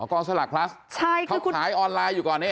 กองสลากพลัสเขาขายออนไลน์อยู่ก่อนนี้